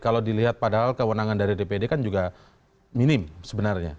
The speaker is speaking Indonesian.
kalau dilihat padahal kewenangan dari dpd kan juga minim sebenarnya